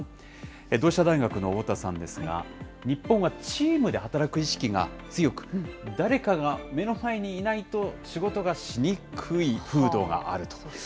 同志社大学の太田さんですが、日本はチームで働く意識が強く、誰かが目の前にいないと仕事がしにくい風土があると。